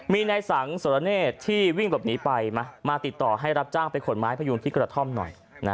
มีนายสังสรเนศที่วิ่งหลบหนีไปมาติดต่อให้รับจ้างไปขนไม้พยุงที่กระท่อมหน่อย